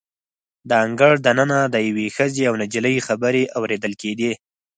د انګړ د ننه د یوې ښځې او نجلۍ خبرې اوریدل کیدې.